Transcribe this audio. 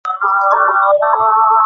পরেশের কণ্ঠস্বর কম্পিত হইয়া গেল।